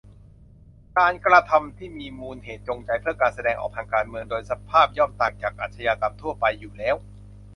การกระทำที่มีมูลเหตุจูงใจเพื่อการแสดงออกทางการเมือง โดยสภาพย่อมต่างจากอาชญากรรมทั่วไปอยู่แล้ว